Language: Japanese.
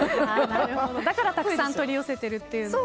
だからたくさん取り寄せているっていう。